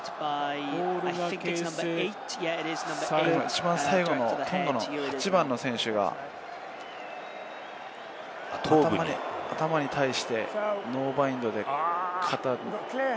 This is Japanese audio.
一番最後のトンガの８番の選手が頭に対してノーバインドで。